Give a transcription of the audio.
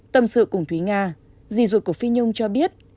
tâm sự cùng thúy nga dì ruột của phi nhung cho biết